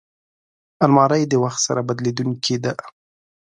الماري د وخت سره بدلېدونکې ده